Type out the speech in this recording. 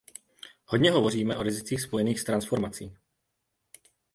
Hodně hovoříme o rizicích spojených s transformací.